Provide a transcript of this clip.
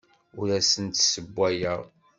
Ur asen-d-ssewwayeɣ.